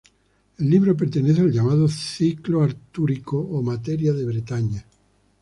El libro pertenece al llamado ciclo artúrico o materia de Bretaña.